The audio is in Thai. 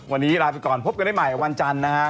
วันนี้ลาไปก่อนพบกันได้ใหม่วันจันทร์นะครับ